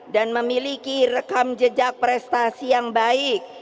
dan memiliki rekam jejak prestasi yang baik